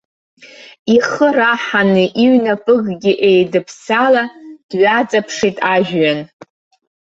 Ихы раҳаны иҩнапыкгьы еидыԥсала, дҩаҵаԥшит ажәҩан.